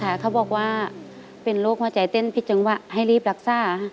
ค่ะค่ะเขาบอกว่าเป็นโรคมาจ่ายเต้นผิดจังหวะให้รีบรักษา